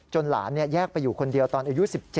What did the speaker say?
หลานแยกไปอยู่คนเดียวตอนอายุ๑๗